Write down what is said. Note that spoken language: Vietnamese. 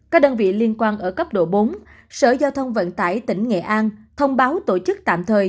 các đơn vị liên quan ở cấp độ bốn sở giao thông vận tải tỉnh nghệ an thông báo tổ chức tạm thời